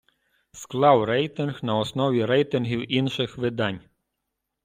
Склав рейтинг на основі рейтингів інших видань.